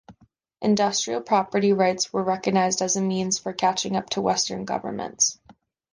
Industrial property rights were recognized as a means for catching up to Western governments.